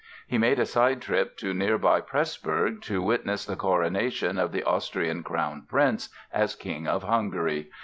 He made a side trip to nearby Pressburg to witness the coronation of the Austrian crown prince as King of Hungary.